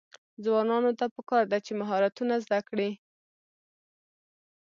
ځوانانو ته پکار ده چې، مهارتونه زده کړي.